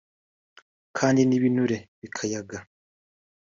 kandi n’ibinure bikayaga